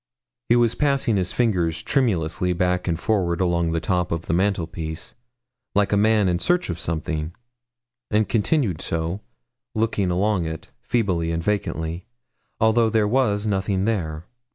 He was passing his fingers tremulously back and forward along the top of the mantelpiece, like a man in search of something, and continued so, looking along it, feebly and vacantly, although there was nothing there.